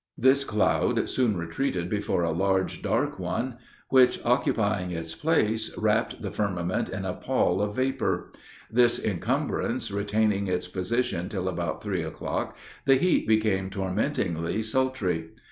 "This cloud soon retreated before a large, dark one, which, occupying its place, wrapped the firmament in a pall of vapor. This incumbrance retaining its position till about three o'clock, the heat became tormentingly sultry.